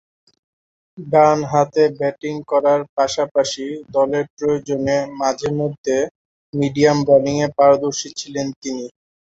ডানহাতে ব্যাটিং করার পাশাপাশি দলের প্রয়োজনে মাঝে-মধ্যে মিডিয়াম বোলিংয়ে পারদর্শী ছিলেন তিনি।